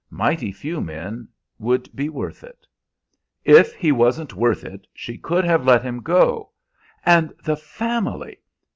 Mighty few men would be worth it." "If he wasn't worth it she could have let him go. And the family!